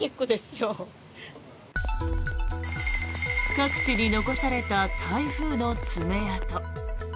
各地に残された台風の爪痕。